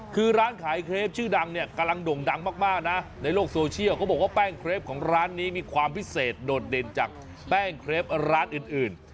คือร้านขายเครปชื่อดังเนี่ยกำลังด่งดังมากนะในโลกโซเชียลเขาบอกว่าแป้งเครปของร้านนี้มีความพิเศษโดดเด่นจากแป้งเครปร้านอื่น